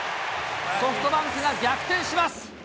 ソフトバンクが逆転します。